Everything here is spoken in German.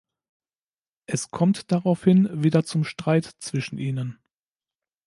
Es kommt daraufhin wieder zum Streit zwischen ihnen.